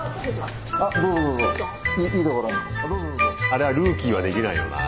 あれはルーキーはできないよな。